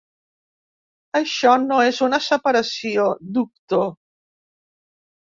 Això no és una separació, doctor.